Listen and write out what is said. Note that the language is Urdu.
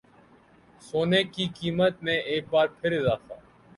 سونے کی قیمت میں ایک بار پھر اضافہ